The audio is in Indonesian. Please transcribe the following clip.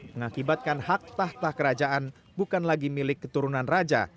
mengakibatkan hak tahta kerajaan bukan lagi milik keturunan raja